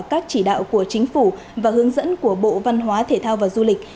các chỉ đạo của chính phủ và hướng dẫn của bộ văn hóa thể thao và du lịch